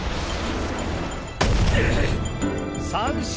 三振！